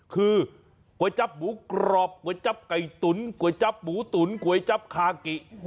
คือก๋วยจับหมูกรอบก๋วยจับไก่ตุ๋นก๋วยจับหมูตุ๋นก๋วยจับคากิ